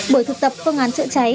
bởi thực tập phương án chữa cháy